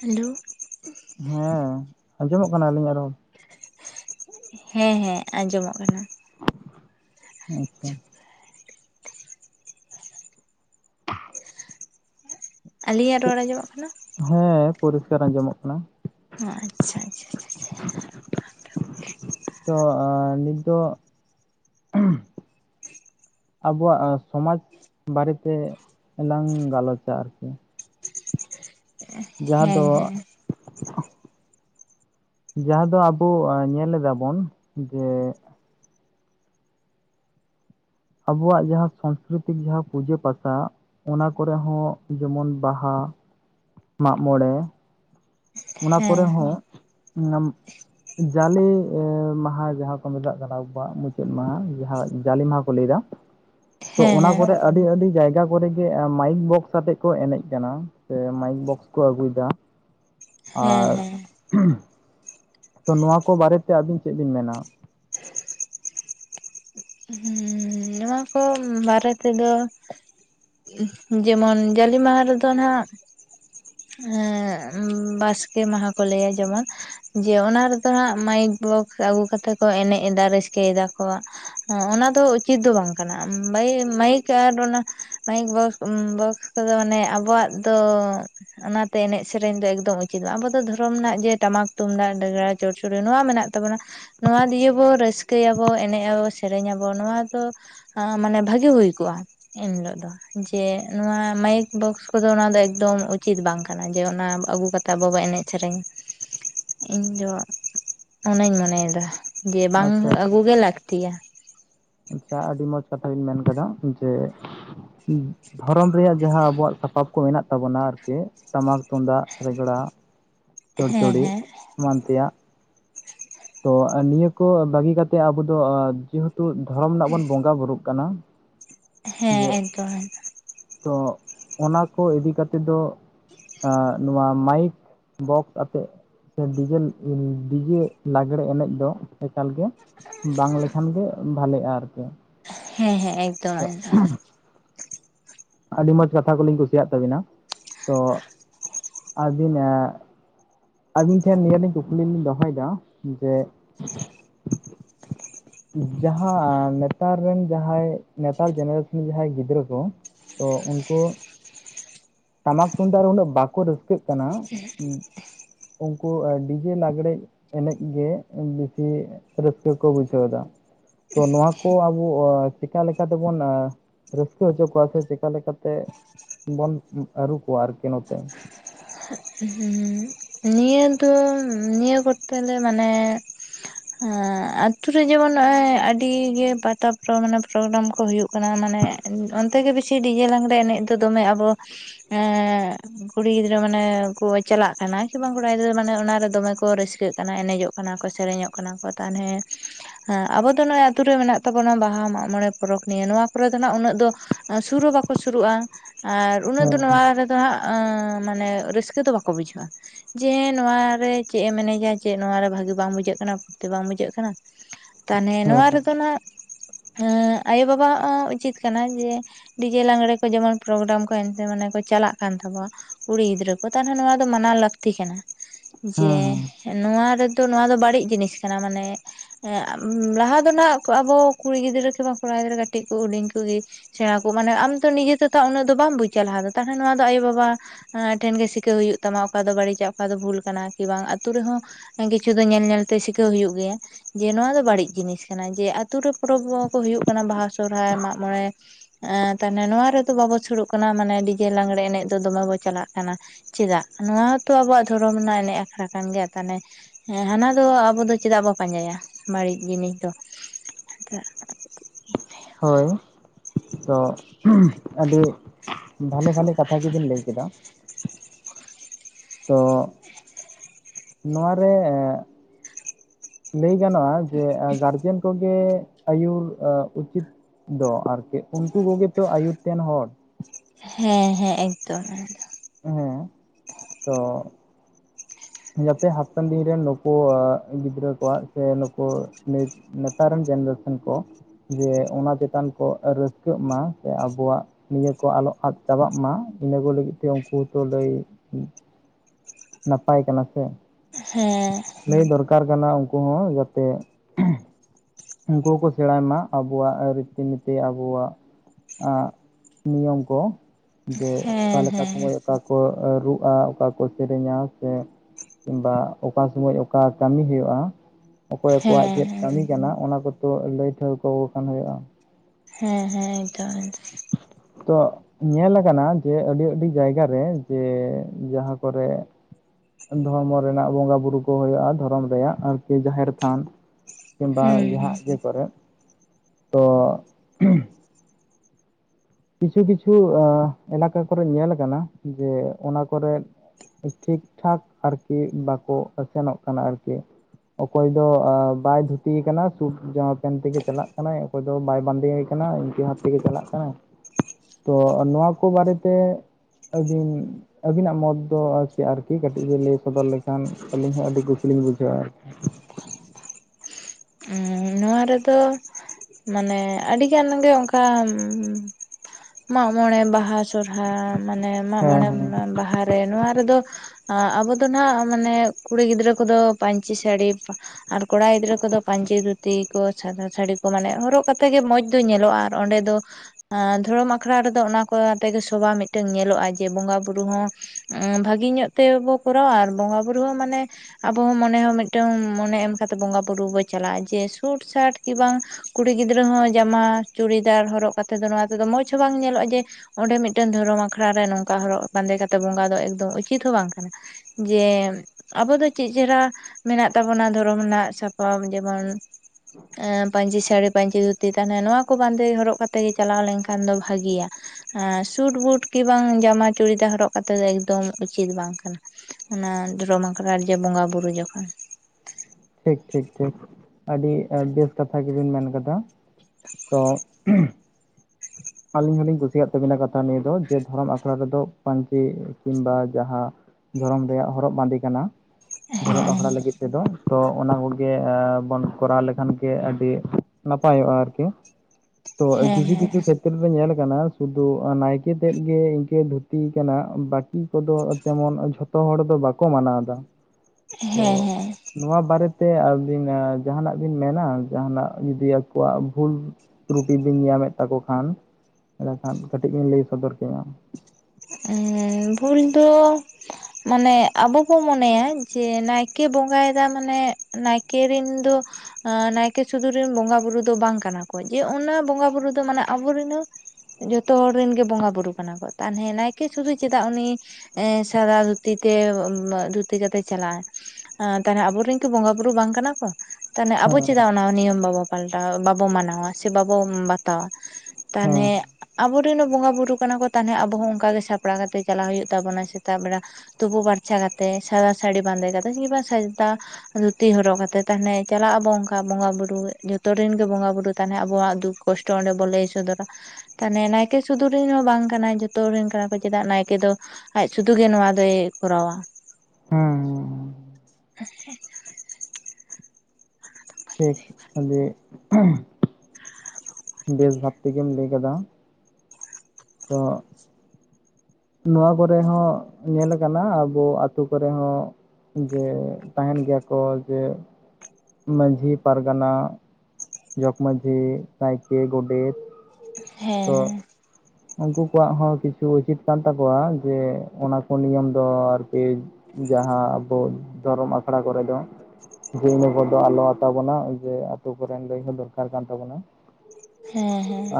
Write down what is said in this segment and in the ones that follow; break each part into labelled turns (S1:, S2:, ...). S1: Hello
S2: ᱦᱮᱸ ᱟᱸᱡᱚᱢᱚᱜ ᱠᱟᱱᱟ ᱟᱹᱞᱤᱧᱟᱜ ᱨᱚᱲ
S1: ᱦᱮᱸ ᱦᱮᱸ ᱟᱸᱡᱚᱢᱚᱜ ᱠᱟᱱᱟ ᱾
S2: ᱟᱪᱪᱷᱟ
S1: ᱟᱹᱞᱤᱧᱟᱜ ᱨᱚᱲ ᱟᱸᱡᱚᱢᱚᱜ ᱠᱟᱱᱟ
S2: ᱦᱮᱸ ᱯᱚᱨᱤᱥᱠᱟᱨ ᱟᱸᱡᱚᱢᱚᱜ ᱠᱟᱱᱟ
S1: ᱚ ᱟᱪᱪᱷᱟ ᱟᱪᱪᱷᱟ-ᱪᱷᱟ
S2: ᱛᱚ ᱱᱤᱛ ᱫᱚ ᱩᱸ ᱟᱵᱚᱣᱟᱜ ᱥᱚᱢᱟᱡᱽ ᱵᱟᱨᱮᱛᱮ ᱞᱟᱝ ᱜᱟᱞᱚᱪᱟ ᱟᱨᱠᱤ ᱡᱟᱦᱟᱸ
S1: ᱦᱮᱸ
S2: ᱫᱚ
S1: ᱦᱮᱸ
S2: ᱡᱟᱦᱟᱸ ᱫᱚ ᱟᱵᱚ ᱧᱮᱞ ᱮᱫᱟᱵᱚᱱ ᱡᱮ ᱟᱵᱚᱣᱟᱜ ᱡᱟᱦᱟᱸ ᱥᱚᱝᱥᱠᱨᱤᱛᱤᱠ ᱡᱟᱦᱟᱸ ᱯᱩᱡᱟᱹ ᱯᱟᱥᱟ ᱚᱱᱟ ᱠᱚᱨᱮ ᱦᱚᱸ ᱡᱮᱢᱚᱱ ᱵᱟᱦᱟ ᱢᱟᱜᱢᱚᱬᱮ ᱾ ᱚᱱᱟ
S1: ᱦᱮᱸ
S2: ᱠᱚᱨᱮ ᱦᱚᱸ [unintelligible] ᱡᱟᱞᱤ ᱢᱟᱦᱟ ᱡᱟᱦᱟᱸ ᱠᱚ ᱢᱮᱛᱟᱜ ᱠᱟᱱᱟᱣᱟᱜ ᱢᱩᱪᱟᱹᱫ ᱢᱟᱦᱟ ᱡᱟᱦᱟᱸ ᱡᱟᱞᱤ ᱢᱟᱦᱟ ᱠᱚ ᱞᱟᱹᱭ ᱮᱫᱟ ᱛᱚ
S1: ᱦᱮᱸ
S2: ᱚᱱᱟ
S1: ᱦᱮᱸ
S2: ᱠᱚᱨᱮ ᱟᱹᱰᱤ ᱟᱹᱰᱤ ᱡᱟᱭᱜᱟ ᱠᱚᱨᱮ ᱜᱮ ᱢᱟᱭᱤᱠ ᱵᱚᱠᱥ ᱟᱛᱮ ᱠᱚ ᱮᱱᱮᱡ ᱠᱟᱱᱟ ᱥᱮ ᱢᱟᱭᱤᱠ ᱵᱚᱠᱥ ᱠᱚ ᱟᱹᱜᱩᱭᱮᱫᱟ
S1: ᱦᱮᱸ
S2: ᱟᱨ
S1: ᱦᱮᱸ
S2: ᱛᱚ ᱱᱚᱣᱟ ᱠᱚ ᱵᱟᱨᱮᱛᱮ ᱟᱹᱵᱤᱱ ᱪᱮᱫ ᱵᱤᱱ ᱢᱮᱱᱟ ᱾
S1: [inaudible] ᱦᱚᱸᱻ ᱱᱚᱣᱟ ᱠᱚ ᱵᱟᱨᱮ ᱛᱮᱫᱚ ᱡᱮᱢᱚᱱ ᱡᱟᱞᱮ ᱢᱟᱦᱟ ᱨᱮᱫᱚ ᱱᱟᱜ ᱦᱮᱸ ᱵᱟᱥᱠᱮ ᱢᱟᱦᱟ ᱠᱚ ᱞᱟᱹᱭᱟ ᱡᱮᱢᱚᱱ ᱡᱮ ᱚᱱᱟ ᱨᱮᱫᱚ ᱦᱟᱸᱜ ᱢᱟᱭᱤᱠ ᱵᱚᱠᱥ ᱟᱹᱜᱩ ᱠᱟᱛᱮᱜ ᱠᱚ ᱮᱱᱮᱡ ᱮᱫᱟ ᱨᱟᱹᱥᱠᱟᱹ ᱭᱮᱫᱟ ᱠᱚ᱾ ᱚᱱᱟ ᱫᱚ ᱩᱪᱤᱛ ᱫᱚ ᱵᱟᱝ ᱠᱟᱱᱟ ᱢᱟᱭ ᱢᱟᱭᱤᱠ ᱟᱨ ᱚᱱᱟ ᱢᱟᱭᱤᱠ ᱵᱚᱠᱥ ᱵᱚᱠᱥ ᱾ ᱫᱚ ᱢᱟᱱᱮ ᱟᱵᱚᱣᱟᱜ ᱫᱚ ᱚᱱᱟᱛᱮ ᱮᱱᱮᱡ ᱥᱮᱨᱮᱧ ᱫᱚ ᱮᱠᱫᱚᱢ ᱩᱪᱤᱛ ᱵᱟᱝ ᱟᱵᱚ ᱫᱚ ᱫᱷᱚᱨᱚᱢ ᱨᱮᱭᱟᱜ ᱡᱮ ᱴᱟᱢᱟᱠ ᱛᱩᱢᱫᱟᱜ [inaudible] ᱪᱚᱲᱪᱚᱲᱤ ᱱᱚᱣᱟ ᱢᱮᱱᱟᱜ ᱛᱟᱵᱚᱱᱟ ᱱᱚᱣᱟ ᱫᱤᱭᱮ ᱵᱚ ᱨᱟᱹᱥᱠᱟᱹᱭᱟᱵᱚ ᱮᱱᱮᱡ ᱟᱵᱚ ᱥᱮᱨᱮᱧ ᱟᱵᱚ ᱱᱚᱣᱟ ᱫᱚ ᱢᱟᱱᱮ ᱵᱷᱟᱜᱤ ᱦᱩᱭ ᱠᱚᱜᱼᱟ ᱮᱱ ᱦᱤᱞᱳᱜ ᱫᱚ ᱡᱮ ᱱᱚᱣᱟ ᱢᱟᱭᱤᱠ ᱵᱚᱠᱥ ᱠᱚᱫᱚ ᱚᱱᱟ ᱫᱚ ᱮᱠᱫᱚᱢ ᱩᱪᱤᱛ ᱵᱟᱝ ᱠᱟᱱᱟ ᱡᱮ ᱚᱱᱟ ᱟᱹᱜᱩ ᱠᱟᱛᱮ ᱛᱟ ᱟᱵᱚ ᱵᱚ ᱮᱱᱮᱡ ᱥᱮᱨᱮᱧ-ᱟ ᱾
S2: [inaudible]
S1: ᱤᱧ ᱡᱚ ᱚᱱᱧ ᱢᱚᱱᱮᱭᱮᱫᱟ ᱡᱮ ᱵᱟᱝ
S2: ᱟᱪᱪᱷᱟ
S1: ᱟᱹᱜᱩ ᱜᱮ ᱞᱟᱹᱠᱛᱤᱭᱟ ᱾
S2: ᱟᱪᱷᱟ ᱟᱹᱰᱤ ᱢᱚᱸᱡᱽ ᱠᱟᱛᱷᱟ ᱵᱤᱱ ᱢᱮᱱ ᱠᱟᱫᱟ ᱡᱮ ᱫᱷᱚᱨᱚᱢ ᱨᱮᱭᱟᱜ ᱡᱟᱦᱟᱸ ᱟᱵᱚᱣᱟᱜ ᱥᱟᱯᱟᱵ ᱠᱚ ᱢᱮᱱᱟᱜ ᱛᱟᱵᱚᱱᱟ ᱟᱨᱠᱮ ᱴᱟᱢᱟᱠ ᱛᱩᱢᱫᱟᱜ ᱨᱮᱜᱽᱲᱟ ᱾
S1: ᱦᱮᱸ
S2: ᱪᱚᱲᱪᱚᱲᱤ
S1: ᱦᱮᱸ
S2: ᱮᱢᱟᱱ ᱛᱮᱭᱟᱜ ᱛᱚ ᱱᱤᱭᱟᱹ ᱠᱚ ᱵᱟᱹᱜᱤ ᱠᱟᱛᱮ ᱟᱵᱚ ᱫᱚ ᱡᱮᱦᱮᱛᱩ ᱫᱷᱚᱨᱚᱢ ᱨᱮᱱᱟᱜ ᱵᱚᱱ ᱵᱚᱸᱜᱟ ᱵᱩᱨᱳᱩᱜ ᱠᱟᱱᱟ ᱾
S1: ᱦᱮᱸ ᱮᱠᱫᱚᱢ ᱮᱠᱫᱚᱢ ᱾
S2: ᱛᱚ ᱚᱱᱟ ᱠᱚ ᱤᱫᱤ ᱠᱟᱛᱮ ᱫᱚ ᱟᱸᱜ ᱱᱚᱣᱟ ᱢᱟᱭᱤᱠ ᱵᱚᱠᱥ ᱟᱛᱮᱜ ᱥᱮ ᱰᱤᱡᱮᱞ ᱰᱤᱡᱮ ᱞᱟᱜᱽᱲᱮ ᱮᱱᱮᱡ ᱫᱚ ᱮᱠᱟᱞᱜᱮ
S1: [inaudible]
S2: ᱵᱟᱝ ᱞᱮᱠᱷᱟᱱ ᱜᱮ ᱵᱷᱟᱞᱮᱼᱟ ᱟᱨ ᱪᱮᱫᱽ
S1: ᱦᱮᱸ ᱦᱮᱸ ᱮᱠᱫᱚᱢ ᱮᱠᱫᱚᱢ
S2: ᱟᱹᱰᱤ ᱢᱚᱡᱽ ᱠᱟᱛᱷᱟ ᱠᱚᱞᱤᱧ ᱠᱩᱥᱤᱭᱟᱜ ᱛᱟᱵᱤᱱᱟ ᱛᱚ [unintelligible] ᱟᱵᱤᱱ ᱴᱷᱮᱱ ᱱᱤᱭᱟᱹᱞᱤᱧ ᱠᱩᱠᱞᱤ ᱞᱤᱧ ᱫᱚᱦᱚᱭᱮᱫᱟ ᱡᱮ ᱡᱟᱦᱟᱸ ᱱᱮᱛᱟᱨ ᱨᱮᱱ ᱡᱟᱦᱟᱸᱭ ᱱᱮᱛᱟᱨ ᱡᱮᱱᱟᱨᱮᱥᱚᱱ ᱡᱟᱦᱟᱸᱭ ᱜᱤᱫᱽᱨᱟᱹ ᱠᱚ ᱛᱚ ᱩᱱᱠᱩ ᱴᱟᱢᱟᱠ ᱛᱩᱢᱫᱟᱜ ᱨᱮ ᱩᱱᱟᱹᱜ ᱵᱟᱠᱚ ᱨᱟᱹᱥᱠᱟᱹᱜ ᱠᱟᱱᱟ ᱩᱝᱠᱩ ᱰᱤᱡᱮ ᱞᱟᱜᱽᱲᱮ ᱮᱱᱮᱡ ᱜᱮ ᱵᱤᱥᱤ ᱨᱟᱹᱥᱠᱟᱹ ᱠᱚ ᱵᱩᱡᱷᱟᱹᱣ ᱮᱫᱟ᱾ ᱛᱚ ᱱᱚᱣᱟ ᱠᱚ ᱟᱵᱚ ᱪᱮᱠᱟ ᱞᱮᱠᱟᱛᱮ ᱵᱚᱱ ᱨᱟᱹᱥᱠᱟᱹ ᱦᱚᱪᱚ ᱠᱚᱣᱟ ᱥᱮ ᱪᱮᱠᱟ ᱞᱮᱠᱟᱛᱮ ᱵᱚᱱ ᱟᱹᱨᱩ ᱠᱚᱣᱟ ᱟᱨᱠᱮ ᱱᱚᱛᱮ
S1: ᱦᱚᱸᱻ ᱱᱤᱭᱟᱹ ᱫᱚ ᱱᱤᱭᱟᱹ ᱠᱚᱛᱮ ᱞᱮ ᱢᱟᱱᱮ ᱟᱛᱩ ᱨᱮ ᱡᱮᱢᱚᱱ ᱱᱚᱜᱼᱚᱭ ᱟᱹᱰᱤ ᱜᱮ ᱯᱟᱛᱟ ᱯᱚᱨᱚ ᱯᱚᱨᱳᱜᱨᱟᱢ ᱠᱚ ᱦᱩᱭᱩᱜ ᱠᱟᱱᱟ ᱾ ᱠᱟᱱᱟ ᱢᱟᱱᱮ ᱚᱱᱛᱮ ᱜᱮ ᱵᱮᱥᱤ ᱰᱤᱡᱮ ᱞᱟᱸᱜᱽᱬᱮ ᱮᱱᱮᱡ ᱫᱚ ᱫᱚᱢᱮ ᱟᱵᱚ ᱮ ᱠᱩᱲᱤ ᱜᱤᱫᱽᱨᱟᱹ ᱢᱟᱱᱮ ᱠᱚ ᱪᱟᱞᱟᱜ ᱠᱟᱱᱟ ᱠᱤ ᱵᱟᱝ ᱠᱚᱲᱟ ᱜᱤᱫᱽᱨᱟᱹ ᱢᱟᱱᱮ ᱚᱱᱟᱨᱮ ᱫᱚᱢᱮ ᱠᱚ ᱨᱟᱹᱥᱠᱟᱹᱜ ᱠᱟᱱᱟ ᱮᱱᱮᱡᱚᱜ ᱠᱟᱱᱟ ᱠᱚ ᱥᱮᱨᱮᱧᱚᱜ ᱠᱟᱱᱟ ᱠᱚ ᱛᱟᱦᱚᱞᱮ ᱦᱮᱸ ᱟᱵᱚ ᱫᱚ ᱱᱚᱜᱼᱚᱭ ᱟᱛᱩ ᱨᱮ ᱢᱮᱱᱟᱜ ᱛᱟᱵᱚᱱᱟ ᱵᱟᱦᱟ ᱢᱟᱜ ᱢᱚᱬᱮ ᱯᱚᱨᱚᱠ ᱱᱤᱭᱟᱹ ᱱᱚᱣᱟ ᱠᱚᱨᱮ ᱫᱚ ᱦᱟᱸᱜ ᱩᱱᱟᱹᱜ ᱫᱚ ᱥᱩᱨ ᱦᱚᱸ ᱵᱟᱠᱚ ᱥᱩᱨᱩᱜᱼᱟ ᱟᱨ ᱩᱱᱟᱹᱜ ᱫᱚ ᱱᱚᱣᱟ
S2: ᱦᱮᱸ
S1: ᱨᱮᱫᱚ ᱦᱟᱸᱜ ᱢᱟᱱᱮ ᱨᱟᱹᱥᱠ ᱠᱟᱹ ᱫᱚ ᱵᱟᱠᱚ ᱵᱩᱡᱷᱟᱹᱭᱼᱟ ᱡᱮ ᱱᱚᱣᱟ ᱨᱮ ᱪᱮᱫ ᱮᱢ ᱮᱱᱮᱡ ᱟ ᱪᱮᱫ ᱱᱚᱣᱟ ᱨᱮ ᱵᱷᱟᱹᱜᱤ ᱵᱟᱝ ᱵᱩᱡᱷᱟᱹᱜ ᱠᱟᱱᱟ ᱯᱷᱩᱨᱛᱤ ᱵᱟᱝ ᱵᱩᱡᱷᱟᱹᱜ ᱠᱟᱱᱟ
S2: [unintelligible]
S1: ᱛᱟᱦᱱᱮ ᱱᱚᱣᱟ ᱨᱮᱫᱚ ᱱᱟᱜ ᱟᱭᱳ ᱵᱟᱵᱟ ᱣᱟᱜ ᱩᱪᱤᱛ ᱠᱟᱱᱟ ᱡᱮ ᱰᱤᱡᱮ ᱞᱟᱜᱽᱬᱮ ᱠᱚ ᱡᱮᱢᱚᱱ ᱯᱨᱳᱜᱨᱟᱢ ᱠᱚ ᱮᱱᱛᱮ ᱢᱟᱱᱮ ᱠᱚ ᱪᱟᱞᱟᱜ ᱠᱟᱱ ᱛᱟᱵᱳᱣᱟ ᱠᱩᱲᱤ ᱜᱤᱫᱽᱨᱟᱹ [unintelligible] ᱱᱚᱣᱟ ᱫᱚ ᱢᱟᱱᱟ ᱞᱟᱹᱠᱛᱤ ᱠᱟᱱᱟ
S2: ᱦᱮᱸ ᱦᱮᱸ
S1: ᱡᱮ
S2: ᱦᱮᱸ
S1: ᱱᱚᱣᱟ ᱨᱮᱫᱚ ᱱᱚᱣᱟ ᱫᱚ ᱵᱟᱹᱲᱤᱡ ᱡᱤᱱᱤᱥ ᱠᱟᱱᱟ ᱢᱟᱱᱮ ᱮᱸ ᱞᱟᱦᱟ ᱫᱚ ᱱᱟᱸᱜ ᱟᱵᱚ ᱠᱩᱲᱤ ᱜᱤᱫᱽᱨᱟᱹ ᱠᱚᱵᱟ ᱠᱚᱲᱟ ᱜᱤᱫᱽᱨᱟᱹ ᱠᱟᱹᱴᱤᱡ ᱠᱚ ᱦᱩᱰᱤᱧ ᱠᱩᱜᱤ ᱥᱮᱬᱟ ᱠᱚ ᱢᱟᱱᱮ ᱟᱢ ᱛᱚ ᱱᱤᱡᱮ ᱛᱮ ᱛᱚ ᱩᱱᱟᱹᱜ ᱫᱚ ᱵᱟᱢ ᱵᱩᱡᱟᱹ ᱞᱟᱦᱟ ᱛᱟᱦᱮ ᱱᱚᱣᱟ ᱫᱚ ᱟᱭᱳ ᱵᱟᱵᱟ ᱴᱷᱮᱱ ᱜᱮ ᱥᱤᱠᱟᱹ ᱦᱩᱭᱩᱜ ᱛᱟᱢᱟ ᱚᱠᱟ ᱫᱚ ᱵᱟᱹᱲᱤᱡᱟᱜ ᱚᱠᱟ ᱫᱚ ᱵᱷᱩᱞ ᱠᱟᱱᱟ ᱠᱤ ᱵᱟᱝ ᱟᱛᱳ ᱨᱮᱦᱚᱸ ᱠᱤᱪᱷᱩ ᱫᱚ ᱧᱮᱞ ᱧᱮᱞ ᱛᱮ ᱥᱤᱠᱟᱹᱣ ᱦᱩᱭᱩᱜ ᱜᱮᱭᱟ ᱡᱮ ᱱᱚᱶᱟ ᱫᱚ ᱵᱟᱹᱲᱤᱡ ᱡᱤᱱᱤᱥ ᱠᱟᱱᱟ ᱡᱮ ᱟᱛᱩᱨᱮ ᱯᱚᱨᱚᱵᱽ ᱠᱚ ᱦᱩᱭᱩᱜ ᱠᱟᱱᱟ ᱵᱟᱦᱟ ᱥᱚᱦᱨᱟᱭ ᱢᱟᱜ ᱢᱚᱬᱮ [unintelligible] ᱱᱚᱣᱟ ᱨᱮᱫᱚ ᱵᱟᱵᱚ ᱥᱩᱨᱩᱜ ᱠᱟᱱᱟ ᱢᱟᱱᱮ ᱰᱤᱡᱮ ᱞᱟᱜᱽᱲᱮ ᱮᱱᱮᱡ ᱫᱚ ᱫᱚᱢᱮ ᱵᱚ ᱪᱟᱞᱟᱜ ᱠᱟᱱᱟ ᱪᱮᱫᱟᱜ ᱱᱚᱣᱟ ᱦᱚᱸᱛᱚ ᱟᱵᱚᱣᱟᱜ ᱫᱷᱚᱨᱚᱢ ᱨᱮᱱᱟᱜ ᱮᱱᱮᱡ ᱟᱠᱷᱲᱟ ᱠᱟᱱ ᱜᱮᱭᱟ ᱛᱟᱦᱱᱮ ᱦᱮᱸ ᱦᱟᱱᱟ ᱫᱚ ᱟᱵᱚ ᱫᱚ ᱪᱮᱫᱟᱜ ᱵᱚᱱ ᱯᱟᱸᱡᱟᱭᱟ ᱵᱟᱹᱲᱤᱡ ᱡᱤᱱᱤᱥ ᱫᱚ
S2: ᱦᱳᱭ ᱛᱚ ᱟᱹᱰᱤ ᱵᱷᱟᱞᱮ ᱵᱷᱟᱞᱮ ᱠᱟᱛᱷᱟ ᱜᱮᱵᱤᱱ ᱞᱟᱹᱭ ᱠᱮᱫᱟ ᱛᱚ ᱱᱚᱣᱟ ᱨᱮ ᱞᱟᱹᱭ ᱜᱟᱱᱚᱜᱼᱟ ᱡᱮ ᱜᱟᱨᱡᱮᱱ ᱠᱚᱜᱮ ᱟᱹᱭᱩᱨ ᱩᱪᱤᱛ ᱫᱚ ᱟᱨᱠᱤ ᱩᱱᱠᱩ ᱠᱚᱜᱮ ᱛᱚ ᱟᱹᱭᱩᱨ ᱛᱮᱱ ᱦᱚᱲ
S1: ᱦᱮᱸ ᱦᱮᱸ ᱮᱠᱫᱚᱢ ᱮᱠᱫᱚᱢ
S2: ᱦᱮᱸ ᱛᱚ ᱡᱟᱛᱮ ᱦᱟᱯᱮᱱ ᱫᱤᱱ ᱨᱮᱱ ᱱᱩᱠᱩ ᱜᱤᱫᱽᱨᱟᱹ ᱠᱚᱣᱟᱜ ᱥᱮ ᱱᱩᱠᱩ ᱱᱮᱴ ᱱᱮᱛᱟᱨ ᱨᱮᱱ ᱡᱮᱱᱟᱨᱮᱥᱮᱱ ᱠᱚ ᱡᱮ ᱚᱱᱟ ᱪᱮᱛᱟᱱ ᱠᱚ ᱨᱟᱹᱥᱠᱟᱹᱜ ᱢᱟ ᱥᱮ ᱟᱵᱚᱣᱟᱜ ᱱᱤᱭᱟᱹ ᱠᱚ ᱟᱞᱚ ᱟᱫ ᱪᱟᱵᱟᱜ ᱢᱟ ᱤᱱᱟᱹᱠᱚ ᱞᱟᱹᱜᱤᱫ ᱛᱮ ᱩᱱᱠᱩ ᱦᱚᱸᱛᱚ ᱞᱟᱹᱭ ᱱᱟᱯᱟᱭ ᱠᱟᱱᱟ ᱥᱮ
S1: ᱦᱮᱸ
S2: ᱞᱟᱹᱭ ᱫᱚᱨᱠᱟᱨ ᱠᱟᱱᱟ ᱩᱱᱠᱩ ᱦᱚᱸ ᱡᱟᱛᱮ ᱩᱱᱠᱩ ᱦᱚᱸᱠᱚ ᱥᱮᱬᱟᱭ ᱢᱟ ᱟᱵᱚᱣᱟᱜ ᱨᱤᱛᱤ ᱱᱤᱛᱤ ᱟᱵᱚᱣᱟᱜ ᱟᱸᱜ ᱱᱤᱭᱚᱢ ᱠᱚ ᱡᱮ ᱚᱠᱟ
S1: ᱦᱮᱸ
S2: ᱞᱮᱠᱟ
S1: ᱦᱮᱸ
S2: ᱥᱚᱢᱚᱭ [inaudible] ᱚᱠᱟ ᱠᱚ ᱨᱩᱜᱼᱟ ᱚᱠᱟ ᱠᱚ ᱥᱮᱨᱮᱧ-ᱟ ᱥᱮ [unintelligible] ᱚᱠᱟ ᱥᱳᱢᱚᱭ ᱚᱠᱟ ᱠᱟᱹᱢᱤ ᱦᱳᱭᱳᱜᱼᱟ ᱚᱠᱚᱭ ᱠᱚᱣᱟᱜ ᱪᱮᱫ
S1: ᱦᱮᱸ
S2: ᱠᱟᱹᱢᱤ ᱠᱟᱱᱟ ᱚᱱᱟ ᱠᱚᱫᱚ ᱞᱟᱹᱭ ᱴᱷᱟᱹᱣᱠᱟᱹ ᱟᱠᱚ ᱠᱷᱟᱱ ᱦᱳᱭᱳᱜᱼᱟ
S1: ᱦᱮᱸ ᱦᱮᱸ [inaudible]
S2: ᱛᱚ ᱧᱮᱞ ᱠᱟᱱᱟ ᱡᱮ ᱟᱹᱰᱤ ᱟᱹᱰᱤ ᱡᱟᱭᱜᱟ ᱨᱮ ᱡᱮ ᱡᱟᱦᱟᱸ ᱠᱚᱨᱮ ᱫᱷᱚᱨᱢᱚ ᱨᱮᱱᱟᱜ ᱵᱚᱸᱜᱟ ᱵᱩᱨᱩ ᱠᱚ ᱦᱳᱭᱳᱜᱼᱟ ᱫᱷᱚᱨᱚᱢ ᱨᱮᱭᱟᱜ ᱟᱨᱠᱤ ᱡᱟᱦᱮᱨ ᱛᱷᱟᱱ
S1: ᱦᱩᱸ
S2: ᱡᱟᱦᱟᱸ ᱤᱭᱟᱹ ᱠᱚᱨᱮ ᱛᱚ ᱠᱤᱪᱷᱩ ᱠᱤᱪᱷᱩ ᱮ ᱮᱞᱟᱠᱟ ᱠᱚᱨᱮ ᱧᱮᱞ ᱠᱟᱱᱟ ᱡᱮ ᱚᱱᱟ ᱠᱚᱨᱮᱫ ᱴᱷᱤᱠ ᱴᱷᱟᱠ ᱟᱨᱠᱤ ᱵᱟᱠᱚ ᱟᱥᱮᱱᱚᱜ ᱠᱟᱱᱟ ᱟᱨᱠᱤ ᱚᱠᱚᱭ ᱫᱚ ᱵᱟᱭ ᱫᱷᱩᱛᱤ ᱠᱟᱱᱟ ᱥᱩᱴ [inaudible] ᱮᱠᱮᱱ ᱛᱮᱜᱮ ᱪᱟᱞᱟᱜ ᱠᱟᱱᱟᱭ ᱚᱠᱚᱭ ᱫᱚ ᱵᱟᱭ ᱵᱟᱸᱫᱮ ᱠᱟᱱᱟᱭ ᱤᱱᱠᱟᱹ ᱦᱟᱛ ᱛᱮᱜᱮ ᱪᱟᱞᱟᱜ ᱠᱟᱱᱟᱭ ᱛᱚ ᱱᱚᱣᱟ ᱠᱚ ᱵᱟᱨᱮ ᱛᱮ ᱟᱹᱵᱤᱱ ᱟᱹᱵᱤᱱᱟᱜ ᱢᱚᱛ ᱫᱚ ᱪᱮᱫ ᱟᱨᱠᱤ ᱠᱟᱹᱴᱤᱡ ᱵᱤᱱ ᱞᱟᱹᱭ ᱥᱚᱫᱚᱨ ᱞᱮᱠᱷᱟᱱ ᱟᱹᱞᱤᱧ ᱦᱚᱸ ᱟᱹᱰᱤ ᱠᱩᱥᱤ ᱞᱤᱧ ᱵᱩᱡᱷᱟᱹᱣ-ᱟ
S1: ᱱᱚᱣᱟ ᱨᱮᱫᱚ ᱢᱟᱱᱮ ᱟᱹᱰᱤ ᱜᱟᱱ ᱜᱮ ᱚᱱᱠᱟ ᱩᱸ ᱢᱟᱜ ᱢᱚᱬᱮ ᱵᱟᱦᱟ ᱥᱚᱨᱦᱟᱭ ᱢᱟᱱᱮ ᱢᱟᱜ
S2: ᱦᱮᱸ
S1: ᱢᱚᱬᱮ
S2: ᱦᱮᱸ
S1: ᱵᱟᱦᱟ ᱨᱮ ᱱᱚᱣᱟ ᱨᱮᱫᱚ ᱟᱵᱚ ᱫᱚ ᱱᱟᱸᱜ ᱢᱟᱱᱮ ᱠᱩᱲᱤ ᱜᱤᱫᱽᱨᱟᱹ ᱠᱚᱫᱚ ᱯᱟᱹᱧᱪᱤ ᱥᱟᱹᱲᱤ ᱟᱨ ᱠᱚᱲᱟ ᱜᱤᱫᱽᱨᱟᱹ ᱠᱚᱫᱚ ᱯᱟᱹᱧᱪᱤ ᱫᱷᱩᱛᱤ ᱠᱚ ᱥᱟᱫᱟ ᱥᱟᱹᱲᱤ ᱠᱚ ᱢᱟᱱᱮ ᱦᱚᱨᱚᱜ ᱠᱟᱛᱮ ᱜᱮ ᱢᱚᱸᱡᱽ ᱫᱚ ᱧᱮᱞᱚᱜᱼᱟ ᱟᱨ ᱚᱸᱰᱮ ᱫᱚ ᱫᱷᱚᱨᱚᱢ ᱟᱠᱷᱲᱟ ᱨᱮᱫᱚ ᱚᱱᱟ ᱠᱚ ᱟᱛᱮᱜᱮ ᱥᱚᱵᱷᱟ ᱢᱤᱫᱴᱮᱱ ᱧᱮᱞᱚᱜᱼᱟ ᱡᱮ ᱵᱚᱸᱜᱟ ᱵᱩᱨᱩ ᱦᱚᱸ ᱵᱷᱟᱹᱜᱮ ᱧᱚᱜ ᱛᱮᱵᱚ ᱠᱚᱨᱟᱣᱟ ᱟᱨ ᱵᱚᱸᱜᱟ ᱵᱩᱨᱩ ᱦᱚᱸ ᱢᱟᱱᱮ ᱟᱵᱚ ᱦᱚᱸ ᱢᱚᱱᱮ ᱦᱚᱸ ᱢᱤᱫᱴᱟᱝ ᱢᱚᱱᱮ ᱮᱢ ᱠᱟᱛᱮᱫ ᱵᱚᱸᱜᱟ ᱵᱩᱨᱩ ᱵᱟᱹᱡ ᱪᱟᱞᱟᱜᱼᱟ ᱡᱮ ᱥᱩᱴ ᱥᱟᱴ ᱠᱤ ᱵᱟᱝ ᱠᱩᱲᱤ ᱜᱤᱫᱽᱨᱟᱹ ᱦᱚᱸ ᱡᱟᱢᱟ ᱪᱩᱲᱤᱫᱟᱨ ᱦᱚᱨᱚᱜ ᱠᱟᱛᱮᱫ ᱫᱚ ᱱᱚᱣᱟ ᱛᱮᱫᱚ ᱢᱚᱡᱽ ᱦᱚᱸ ᱵᱟᱝ ᱧᱮᱞᱚᱜᱼᱟ ᱡᱮ ᱚᱸᱰᱮ ᱢᱤᱫᱴᱮᱱ ᱫᱷᱚᱨᱚᱢ ᱟᱠᱷᱲᱟ ᱨᱮ ᱱᱚᱝᱠᱟ ᱦᱚᱨᱚᱜ ᱵᱟᱸᱫᱮ ᱠᱟᱛᱮᱫ ᱵᱚᱸᱜᱟ ᱫᱚ ᱮᱠᱫᱚᱢ ᱩᱪᱤᱛ ᱦᱚᱸ ᱵᱟᱝ ᱠᱟᱱᱟ ᱡᱮ ᱟᱵᱚ ᱫᱚ ᱪᱮᱫ ᱪᱮᱨᱦᱨᱟ ᱢᱮᱱᱟᱜ ᱛᱟᱵᱚᱱᱟ ᱫᱷᱚᱨᱚᱢ ᱨᱮᱱᱟᱜ ᱥᱟᱯᱟᱵ ᱡᱮᱢᱚᱱ ᱮᱸ ᱯᱟᱹᱧᱪᱤ ᱥᱟᱹᱲᱤ ᱯᱟᱹᱧᱪᱤ ᱫᱷᱩᱛᱤ ᱛᱟᱦᱞᱮ ᱱᱚᱣᱟ ᱠᱚ ᱵᱟᱸᱫᱮ ᱦᱚᱨᱚᱜ ᱠᱟᱛᱮᱜ ᱜᱮ ᱪᱟᱞᱟᱣ ᱞᱮᱱᱠᱷᱟᱱ ᱫᱚ ᱵᱷᱟᱹᱜᱮᱭᱟ ᱟᱸ ᱥᱩᱴᱵᱩᱴ ᱠᱤ ᱵᱟᱝ ᱡᱟᱢᱟ ᱪᱩᱲᱤᱫᱟᱨ ᱦᱚᱨᱚᱜ ᱠᱟᱛᱮᱜ ᱫᱚ ᱮᱠᱫᱚᱢ ᱩᱪᱤᱛ ᱵᱟᱝ ᱠᱟᱱᱟ ᱚᱱᱟ ᱫᱷᱚᱨᱚᱢ ᱟᱠᱷᱲᱟ ᱨᱮ ᱡᱮ ᱵᱚᱸᱜᱟ ᱵᱩᱨᱩ ᱡᱚᱠᱷᱚᱱ
S2: ᱴᱷᱤᱠ ᱴᱷᱤᱠ ᱴᱷᱤᱠ ᱟᱹᱰᱤ ᱵᱮᱥ ᱠᱟᱛᱷᱟ ᱜᱮᱵᱤᱱ ᱢᱮᱱ ᱟᱠᱟᱫᱟ ᱛᱚᱸ ᱟᱹᱞᱤᱧ ᱦᱚᱞᱤᱧ ᱠᱩᱥᱤᱭᱟᱜ ᱛᱟᱵᱤᱱᱟ ᱠᱟᱛᱷᱟ ᱱᱤᱭᱟᱹ ᱫᱚ ᱡᱮ ᱫᱷᱚᱨᱚᱢ ᱟᱠᱷᱲᱟ ᱨᱮᱫᱚ ᱯᱟᱟᱹᱧᱪᱤ ᱠᱤᱱ ᱵᱟ ᱡᱟᱦᱟᱸ ᱫᱷᱚᱨᱚᱢ ᱨᱮᱭᱟᱜ ᱦᱚᱨᱚᱜ ᱵᱟᱸᱫᱮ ᱠᱟᱱᱟ ᱫᱷᱚᱨᱚᱢ ᱟᱠᱷᱲᱟ
S1: ᱦᱮᱸ
S2: ᱞᱟᱹᱜᱤᱫ ᱛᱮᱫᱚ ᱛᱚ ᱚᱱᱟ ᱠᱚᱜᱮ ᱵᱚᱱ ᱠᱚᱨᱟᱣ ᱞᱮᱠᱷᱟᱱ ᱜᱮ ᱟᱹᱰᱤ ᱱᱟᱯᱟᱭᱚᱜᱼᱟ ᱟᱨᱠᱤ ᱛᱚ ᱠᱷᱤᱪᱩ
S1: ᱦᱮᱸ
S2: ᱠᱷᱤᱪᱩ ᱠᱷᱮᱛ ᱠᱷᱮᱛᱨᱚ ᱧᱮᱞ ᱠᱟᱱᱟ ᱥᱩᱫᱷᱩ ᱱᱟᱭᱠᱮ ᱛᱮᱫ ᱜᱮ ᱤᱱᱠᱟᱹ ᱫᱷᱩᱛᱤ ᱟᱠᱟᱱᱟ ᱵᱟᱠᱤ ᱵᱟᱠᱤ ᱠᱚᱫᱚ ᱛᱮᱢᱚᱱ ᱡᱷᱚᱛᱚ ᱦᱚᱲ ᱫᱚ ᱵᱟᱠᱚ ᱢᱟᱱᱟᱣ ᱮᱫᱟ
S1: ᱦᱮᱸ ᱦᱮᱸ
S2: ᱱᱚᱣᱟ ᱵᱟᱨᱮᱛᱮ ᱟᱹᱵᱤᱱ ᱡᱟᱦᱟᱸᱱᱟᱜ ᱵᱤᱱ ᱢᱮᱱᱟ ᱡᱟᱦᱟᱸᱱᱟᱜ ᱡᱩᱫᱤ ᱟᱠᱚᱣᱟᱜ ᱵᱷᱩᱞ ᱨᱩᱴᱤ ᱵᱤᱱ ᱧᱟᱢᱮᱫ ᱛᱟᱠᱚ ᱠᱷᱟᱱ ᱮᱰᱮᱠᱷᱟᱱ ᱠᱟᱹᱴᱤᱡ ᱵᱤᱧ ᱞᱟᱹᱭ ᱥᱚᱫᱚᱨ ᱠᱤᱧᱟ
S1: ᱮᱸ ᱵᱷᱩᱞ ᱫᱚ ᱢᱟᱱᱮ ᱟᱵᱚ ᱠᱚ ᱢᱚᱱᱮᱭᱟ ᱡᱮ ᱱᱟᱭᱠᱮ ᱵᱚᱸᱜᱟᱭᱮᱫᱟ ᱢᱟᱱᱮ ᱱᱟᱭᱠᱮ ᱨᱮᱱ ᱫᱚ ᱱᱟᱭᱠᱮ ᱥᱩᱫᱷᱩᱨ ᱨᱮᱱ ᱵᱚᱸᱜᱟᱼᱵᱩᱨᱩ ᱫᱚ ᱵᱟᱝ ᱠᱟᱱᱟ ᱠᱚ ᱡᱮ ᱚᱱᱟ ᱵᱚᱸᱜᱟᱼᱵᱩᱨᱩ ᱫᱚ ᱢᱟᱱᱮ ᱟᱵᱚᱨᱮᱱᱟ ᱡᱚᱛᱚ ᱦᱚᱲ ᱨᱮᱱᱜᱮ ᱵᱚᱸᱜᱟ ᱵᱩᱨᱩ ᱠᱟᱱᱟ ᱠᱚ ᱛᱟᱦᱞᱮ ᱱᱟᱭᱠᱮ ᱥᱩᱫᱷᱩ ᱪᱮᱫᱟᱜ ᱩᱱᱤ ᱮᱸ ᱥᱟᱫᱟ ᱫᱷᱩᱛᱤ ᱛᱮ ᱫᱷᱩᱛᱤ ᱠᱟᱛᱮᱜ ᱮ ᱪᱟᱞᱟᱜ ᱟᱭ ᱛᱟᱦᱞᱮ ᱟᱵᱚᱨᱮᱱ ᱠᱤ ᱵᱚᱸᱜᱟ ᱵᱩᱨᱩ ᱵᱟᱝ ᱠᱟᱱᱟ ᱠᱚ ᱛᱟᱦᱮ ᱟᱵᱚ ᱪᱮᱫᱟᱜ
S2: ᱦᱮᱸ
S1: ᱚᱱᱟ ᱱᱤᱭᱚᱢ ᱵᱟᱵᱚ ᱯᱟᱞᱴᱟᱶᱟ ᱵᱟᱵᱚ ᱢᱟᱱᱟᱣᱟ ᱥᱮ ᱵᱟᱵᱚ ᱵᱟᱛᱟᱣᱟ
S2: ᱦᱮᱸ
S1: ᱛᱟᱦᱚᱞᱮ ᱟᱵᱚᱨᱮᱱ ᱦᱚᱸ ᱵᱚᱸᱜᱟ ᱵᱩᱨᱩ ᱠᱟᱱᱟ ᱠᱚ ᱛᱟᱦᱚᱞᱮ ᱟᱵᱚ ᱦᱚᱸ ᱚᱱᱠᱟᱟᱜ ᱜᱮ ᱥᱟᱯᱲᱟᱣ ᱠᱟᱛᱮ ᱪᱟᱞᱟ ᱦᱩᱭᱩᱜ ᱛᱵᱚᱱᱟ ᱥᱮᱛᱟᱜ ᱵᱮᱲᱟ ᱛᱩᱯᱩ ᱯᱷᱟᱨᱪᱷᱟ ᱠᱟᱛᱮᱫ ᱥᱟᱫᱟ ᱥᱟᱹᱲᱤ ᱵᱟᱸᱫᱮ ᱠᱟᱛᱮᱫ ᱠᱤᱵᱟ ᱥᱟᱡᱫᱟ ᱫᱷᱩᱛᱤ ᱦᱚᱨᱚᱜ ᱠᱟᱛᱮᱫ ᱛᱟᱦᱞᱮ ᱪᱟᱞᱟᱜ ᱟᱵᱚ ᱚᱱᱠᱟ ᱵᱚᱸᱜᱟ ᱵᱩᱨᱩ ᱡᱚᱛᱚᱨᱮᱱ ᱜᱮ ᱵᱚᱸᱜᱟ ᱵᱩᱨᱩ ᱛᱟᱦᱞᱮ ᱟᱵᱚᱣᱟᱜ ᱫᱩᱠ ᱠᱚᱥᱴᱚ ᱚᱸᱰᱮ ᱵᱚᱱ ᱞᱟᱹᱭ ᱥᱚᱫᱚᱨᱟ ᱛᱟᱦᱞᱮ ᱱᱟᱭᱠᱮ ᱥᱩᱫᱷᱚᱨ ᱦᱚᱸ ᱵᱟᱝ ᱠᱟᱱᱟᱭ ᱡᱚᱛᱚ ᱨᱮᱱ ᱠᱟᱱᱟ ᱠᱚ ᱪᱮᱫᱟᱜ ᱱᱟᱭᱠᱮ ᱫᱚ ᱟᱡ ᱥᱩᱫᱷᱩ ᱜᱮ ᱱᱚᱣᱟ ᱫᱚᱭ ᱠᱚᱨᱟᱣᱟ
S2: ᱦᱚᱸ ᱦᱛᱸ
S1: [inaudible]
S2: ᱴᱮᱠ [unintelligible] ᱵᱮᱥ ᱵᱷᱟᱵ ᱛᱮᱜᱮᱢ ᱞᱟᱹᱭ ᱟᱠᱟᱫᱟ ᱛᱚ ᱱᱚᱣᱟ ᱠᱚᱨᱮ ᱦᱚᱸ ᱧᱮᱞ ᱟᱠᱟᱱᱟ ᱟᱵᱚ ᱟᱛᱳ ᱠᱚᱨᱮ ᱦᱚᱸ ᱡᱮ ᱛᱟᱦᱮᱱ ᱜᱮᱭᱟ ᱠᱚ ᱡᱮ ᱢᱟᱹᱡᱷᱤ ᱯᱟᱨᱜᱟᱱᱟ ᱡᱚᱜᱽᱢᱺᱡᱷᱤ ᱱᱟᱭᱠᱮ ᱜᱚᱰᱮᱛ
S1: ᱦᱮᱸ
S2: ᱛᱚ
S1: ᱦᱮᱸ
S2: ᱩᱱᱠᱩ ᱠᱚᱣᱟᱜ ᱦᱚᱸ ᱠᱤᱪᱷᱩ ᱩᱪᱤᱛ ᱠᱟᱱ ᱛᱟᱠᱚᱣᱟ ᱡᱮ ᱚᱱᱟᱠᱚ ᱱᱤᱭᱚᱢ ᱫᱚ ᱟᱨᱠᱤ ᱡᱟᱦᱟᱸ ᱟᱵᱚ ᱫᱷᱚᱨᱚᱢ ᱟᱠᱷᱲᱟ ᱠᱚᱨᱮ ᱫᱚ ᱡᱮ ᱤᱱᱟᱹ ᱯᱚᱨ ᱫᱚ ᱟᱞᱚ ᱟᱛᱟ ᱵᱚᱱᱟ ᱡᱮ ᱟ ᱟᱹᱛᱩ ᱠᱚᱨᱮᱱ ᱞᱟᱹᱭ ᱦᱚᱸ ᱫᱚᱨᱠᱟᱨ ᱠᱟᱱ ᱛᱟᱵᱳᱱᱟ
S1: ᱦᱮᱸ ᱦᱮᱸ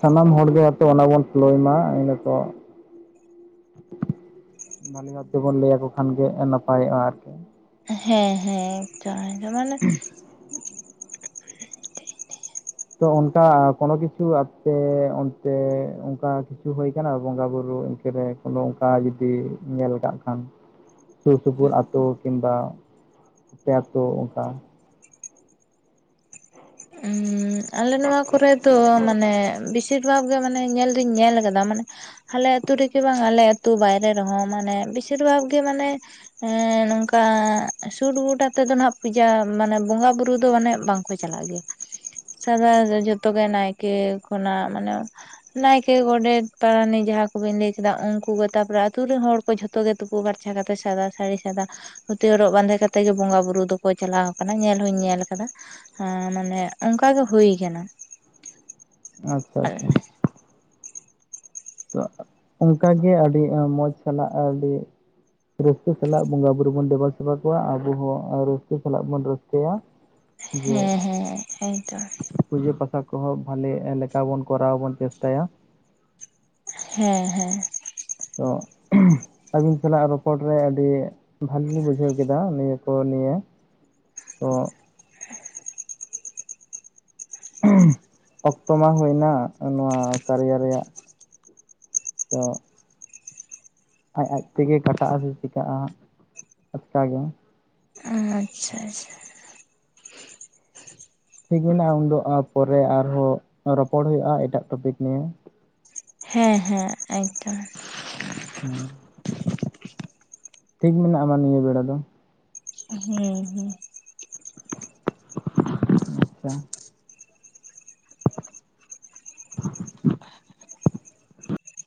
S2: ᱥᱟᱱᱟᱢ ᱦᱚᱲᱜᱮ ᱟᱛᱮ ᱚᱱᱟ ᱵᱚᱱ ᱯᱷᱚᱞᱚ ᱢᱟ ᱤᱱᱟ ᱠᱚ-ᱼ ᱵᱷᱟᱞᱤ ᱵᱟᱛ ᱛᱮᱵᱚᱱ ᱞᱟᱹᱭᱟᱠᱚ ᱠᱷᱟᱱ ᱜᱮ ᱱᱟᱯᱟᱭᱚᱜᱼᱟ ᱟᱨᱠᱤ᱾
S1: ᱦᱮᱸ ᱦᱮᱸ ᱡᱟᱸᱦᱟᱭ ᱫᱚ ᱢᱟᱱᱮ
S2: ᱛᱚ ᱚᱱᱠᱟ ᱠᱚᱱᱚ ᱠᱤᱪᱷᱩ ᱟᱯᱛᱮ ᱚᱱᱛᱮ ᱚᱱᱠᱟ ᱠᱤᱪᱷᱩ ᱦᱩᱭ ᱟᱠᱟᱱᱟ ᱵᱚᱸᱜᱟ ᱵᱩᱨᱩ ᱛ ᱨᱮ ᱠᱚᱱᱚ ᱚᱱᱠᱟ ᱡᱚᱫᱤ ᱧᱮᱞ ᱠᱟᱜ ᱠᱷᱟᱱ᱾ ᱥᱩᱨ ᱥᱩᱯᱩᱨ ᱟ. ᱛᱩ ᱠᱤᱢᱵᱟ ᱟᱯᱮ ᱟ. ᱛᱩ ᱚᱱᱠᱟ
S1: ᱩᱸᱻ ᱟᱞᱮ ᱱᱚᱣᱟ ᱠᱚᱨᱮ ᱛᱚ ᱢᱟᱱᱮ ᱵᱤᱥᱤᱨ ᱵᱷᱟᱜᱽ ᱜᱮ ᱢᱟᱱᱮ ᱧᱮᱞ ᱫᱩᱧ ᱧᱮᱞ ᱟᱠᱟᱫᱟ ᱢᱟᱱᱮ ᱟᱞᱮ ᱟ. ᱛᱩ ᱨᱮᱜᱮ ᱵᱟᱝ ᱟᱞᱮ ᱟᱹᱛᱩ ᱵᱟᱭᱨᱮ ᱨᱮᱦᱚᱸ ᱢᱟᱱᱮ ᱵᱤᱥᱤ ᱫᱚ ᱵᱷᱟᱜᱽ ᱜᱮ ᱢᱟᱱᱮ ᱦᱮᱸ ᱱᱚᱝᱠᱟ ᱥᱩᱴ ᱵᱩᱴ ᱟᱛᱮ ᱫᱚ ᱱᱟᱦᱟᱜ ᱯᱩᱡᱟ ᱢᱟᱱᱮ ᱵᱚᱸᱜᱟ ᱵᱩᱨᱩ ᱫᱚ ᱢᱟᱱᱮ ᱵᱟᱝᱠᱚ ᱪᱟᱞᱟᱜ ᱜᱮᱭᱟ᱾ [unintelligible] ᱡᱚᱛᱚ ᱜᱮ ᱱᱟᱭᱠᱮ ᱠᱷᱚᱱᱟᱜ ᱢᱟᱱᱮ ᱱᱟᱭᱠᱮ ᱜᱚᱸᱰᱮᱛ ᱯᱟᱨᱟᱱᱤᱠ ᱡᱟᱦᱟᱸ ᱠᱚᱵᱤᱱ ᱞᱟᱹᱭ ᱠᱮᱫᱟ ᱩᱱᱠᱩ ᱜᱮ ᱛᱟᱯᱚᱨᱮ ᱟ. ᱛᱩ ᱨᱤᱱ ᱦᱚᱲ ᱡᱷᱚᱛᱚ ᱜᱮ ᱛᱩᱯᱩ ᱯᱷᱟᱨᱪᱷᱟ ᱠᱟᱛᱮ ᱥᱟᱫᱟ ᱥᱟᱹᱲᱤ ᱥᱟᱫᱟ ᱫᱷᱩᱛᱤ ᱦᱚᱨᱚᱜ ᱵᱟᱸᱫᱮ ᱠᱟᱛᱮᱜ ᱜᱮ ᱵᱚᱸᱜᱟ ᱵᱩᱨᱩ ᱫᱚᱠᱚ ᱪᱟᱞᱟᱣ ᱟᱠᱟᱱᱟ ᱧᱮᱞ ᱦᱚᱧ ᱧᱮᱞ ᱟᱠᱟᱫᱟ ᱦᱸ ᱱᱮ ᱚᱱᱠᱟ ᱜᱮ ᱦᱩᱭ ᱟᱠᱟᱱᱟ᱾
S2: ᱟᱪᱪᱷᱟ ᱟᱪᱪᱷᱟ᱾ ᱛ ᱚᱱᱠᱟᱜᱮ ᱟᱹᱰᱤ ᱟ ᱢᱚᱡᱽ ᱥᱟᱞᱟᱜ ᱟᱹᱰᱤ ᱨᱟᱹᱥᱠᱟᱹ ᱥᱟᱞᱟᱜ ᱵᱚᱸᱜᱟ ᱵᱩᱨᱩ ᱵᱚᱱ ᱫᱮᱵᱟ ᱥᱮᱵᱟ ᱠᱚᱣᱟ ᱟᱵᱚ ᱦᱚᱸ ᱨᱟᱹᱥᱠᱟᱹ ᱥᱟᱞᱟᱜ ᱵᱚᱱ ᱨᱟᱹᱥᱠᱟᱹᱭᱟ᱾ [inaudible]
S1: ᱦᱮᱸ ᱦᱮᱸ ᱦᱮᱸ ᱛᱚ᱾
S2: ᱯᱩᱡᱟᱹ ᱯᱟᱛᱟ ᱠᱚᱦᱚᱸ ᱵᱷᱟᱞᱮ ᱞᱮᱠᱟ ᱵᱚᱱ ᱠᱚᱨᱟᱣ ᱵᱚᱱ ᱪᱮᱥᱴᱟᱭᱟ᱾
S1: ᱦᱮᱸ ᱦᱮᱸ᱾
S2: ᱛᱚ [inaudible] ᱟᱹᱵᱤᱱ ᱥᱟᱞᱟᱜ ᱨᱚᱯᱚᱲ ᱨᱮ ᱟᱹᱰᱤ ᱵᱷᱟᱹᱞᱤ ᱞᱤᱧ ᱵᱩᱡᱷᱟᱹᱣ ᱠᱮᱫᱟ ᱱᱤᱭᱟᱹ ᱠᱚ ᱱᱤᱭᱟᱹ ᱛᱚ
S1: [inaudible]
S2: ᱚᱠᱛᱚ ᱢᱟ ᱦᱩᱭᱱᱟ ᱱᱚᱣᱟ ᱠᱟᱨᱤᱭᱟ ᱨᱮᱭᱟᱜ᱾ ᱛᱚ ᱟᱡ ᱟᱡ ᱛᱮᱜᱮ ᱠᱟᱴᱟ ᱟᱥᱮ ᱪᱤᱠᱟᱹᱜᱼᱟ ᱟᱪᱠᱟᱜᱮ᱾
S1: ᱟᱪᱪᱷᱟ ᱟᱪᱪᱷᱟ᱾
S2: ᱛᱤᱸᱜᱩᱱᱟ ᱩᱱᱫᱚᱜᱼᱟ ᱯᱚᱨᱮ ᱟᱨᱦᱚᱸ ᱨᱚᱯᱚᱲ ᱦᱩᱭᱩᱜᱼᱟ ᱮᱴᱟᱜ ᱴᱚᱯᱤᱠ ᱱᱤᱭᱮ᱾
S1: ᱦᱮᱸ ᱦᱮᱸ ᱮᱠᱫᱚᱢ᱾
S2: ᱴᱷᱤᱠ ᱢᱮᱱᱟᱜᱼᱢᱟᱱᱮ ᱱᱤᱭᱟᱹ ᱵᱮᱲᱟ ᱫᱚ᱾
S1: ᱦᱮᱸ ᱦᱮᱸ᱾
S2: [unintelligible]